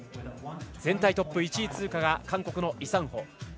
全体トップ１位通過が韓国のイ・サンホ。